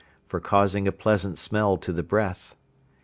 For causing a pleasant smell to the breath.